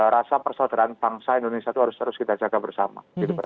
rasa persaudaraan bangsa indonesia itu harus terus kita jaga bersama